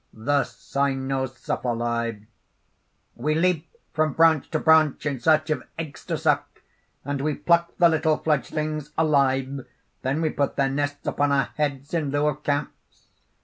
_) THE CYNOCEPHALI: "We leap from branch to branch in search of eggs to suck; and we pluck the little fledglings alive; then we put their nests upon our heads in lieu of caps.